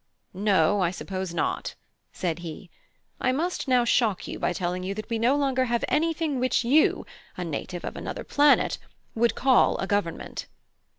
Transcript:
"No, I suppose not," said he. "I must now shock you by telling you that we have no longer anything which you, a native of another planet, would call a government."